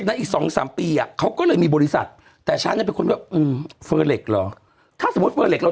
ใครพี่มี๊อ่านเหรออุ๊ยอ่านไม่ได้ฮ่า